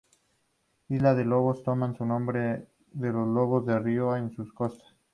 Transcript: Isla de Lobos toma su nombre de los Lobos de río en sus costas.